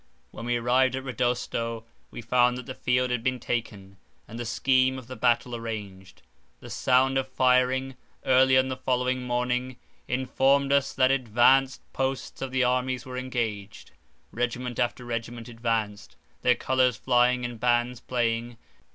When we arrived at Rodosto, we found that the field had been taken, and the scheme of the battle arranged. The sound of firing, early on the following morning, informed us that advanced posts of the armies were engaged. Regiment after regiment advanced, their colours flying and bands playing.